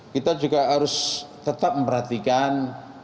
kita juga harus tetap memperhatikan